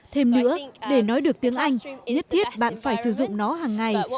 thêm nữa để nói được tiếng anh nhất thiết bạn phải sử dụng nó hàng ngày